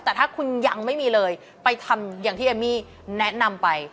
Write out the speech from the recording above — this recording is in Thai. แต่ถ้าคุณยังไม่มีเลยไปทำอย่างที่เอมมี่แนะนำไป